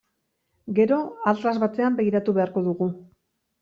Gero atlas batean begiratu beharko dugu.